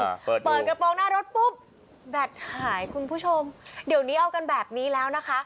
เปิดเปิดกระโปรงหน้ารถปุ๊บแบตหายคุณผู้ชมเดี๋ยวนี้เอากันแบบนี้แล้วนะคะ